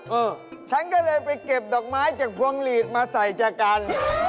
เออฉันก็เลยไปเก็บดอกไม้จากพวงหลีดมาใส่จากกัน